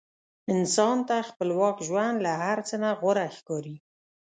انسان ته خپلواک ژوند له هر څه نه غوره ښکاري.